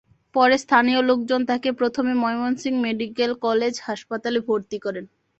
পরে স্থানীয় লোকজন তাঁকে প্রথমে ময়মনসিংহ মেডিকেল কলেজ হাসপাতালে ভর্তি করেন।